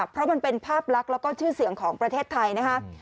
เพราะมันเป็นภาพลักษณ์แล้วก็ชื่อเสียงของประเทศไทยนะคะ